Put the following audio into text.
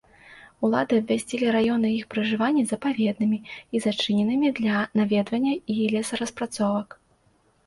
Улады абвясцілі раёны іх пражывання запаведнымі і зачыненымі для наведвання і лесараспрацовак.